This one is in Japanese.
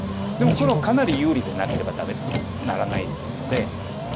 でも黒かなり優位でなければならないですので。